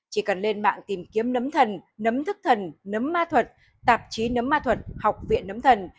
chỉ cần lên mạng tìm kiếm nấm thần nấm thức thần nấm ma thuật tạp chí nấm ma thuật học viện nấm thần